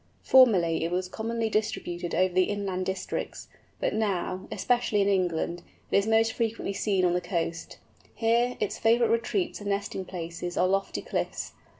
Formerly it was commonly distributed over the inland districts, but now, especially in England, it is most frequently seen along the coast. Here, its favourite retreats and nesting places are lofty cliffs.